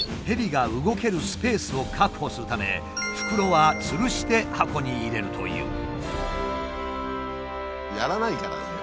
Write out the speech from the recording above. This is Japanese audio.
ヘビが動けるスペースを確保するため袋はつるして箱に入れるという。